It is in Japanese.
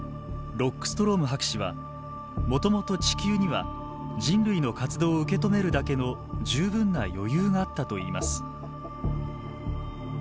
ロックストローム博士はもともと地球には人類の活動を受け止めるだけの十分な余裕があったと言います。